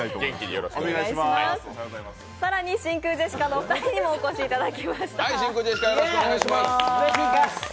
そして真空ジェシカのお二人にもお越しいただきました。